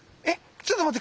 ちょっと待って。